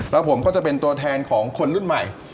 แล้วผมก็จะเป็นตัวแทนของคนรุ่นใหม่